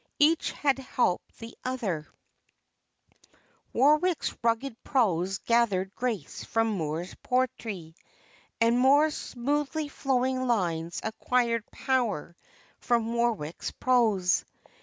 Each had helped the other; Warwick's rugged prose gathered grace from Moor's poetry, and Moor's smoothly flowing lines acquired power from Warwick's prose.